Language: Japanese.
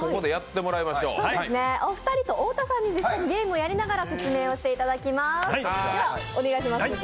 お二人と太田さんに実際にゲームをやりながら説明していただきます。